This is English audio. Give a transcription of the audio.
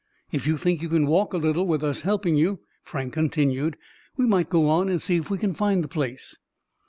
"If you think you can walk a little, with us helping you," Frank continued, "we might go on and see if we can find the place."